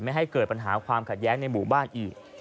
ให้เกิดปัญหาความขัดแย้งในหมู่บ้านอีก